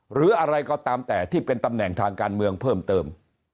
หรืออะไรก็ตามแต่ที่เป็นตำแหน่งทางการเมืองเพิ่มเติม